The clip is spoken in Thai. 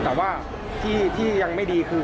แต่ว่าที่ยังไม่ดีคือ